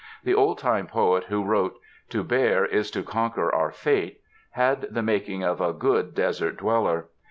The old time poet who wrote, "To bear is to conquer our fate,'* had the making of a good desert dweller.